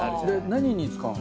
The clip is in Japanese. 何に使うの？